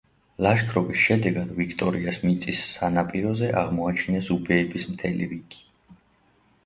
ლაშქრობის შედეგად ვიქტორიას მიწის სანაპიროზე აღმოაჩინეს უბეების მთელი რიგი.